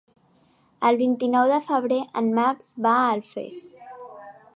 El vint-i-nou de febrer en Max va a Alfés.